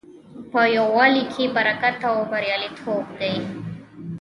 په یووالي کې برکت او بریالیتوب دی.